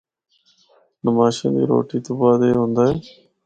نماشاں دی روٹی تو بعد اے ہوندا اے۔